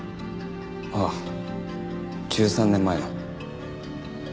あっ１３年前の。